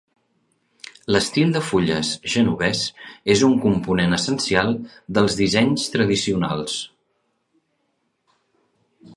L'estil de fulles genovès és un component essencial dels dissenys tradicionals.